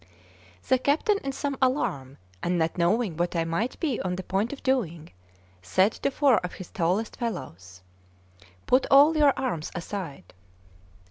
The captain, in some alarm, and not knowing what I might be on the point of doing, said to four of his tallest fellows: "Put all your arms aside."